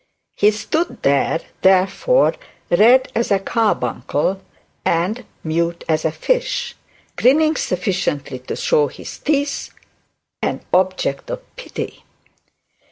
He stood there, therefore, red as a carbuncle and mute as a fish; grinning just sufficiently to show his teeth; an object of pity.